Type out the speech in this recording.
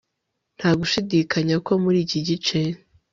nta gushidikanya ko muri iki gice